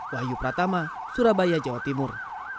wahyu pratama surabaya jawa timur